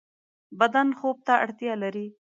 بدن خوب ته اړتیا لری